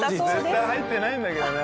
絶対入ってないんだけどね